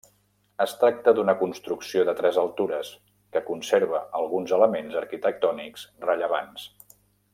Es tracta d'una construcció de tres altures, que conserva alguns elements arquitectònics rellevants.